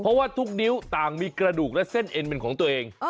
เพราะว่าทุกนิ้วต่างมีกระดูกและเส้นเอ็นเป็นของตัวเอง